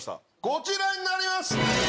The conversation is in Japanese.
こちらになります！